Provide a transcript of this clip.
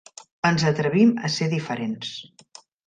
Ens atrevim a ser diferents.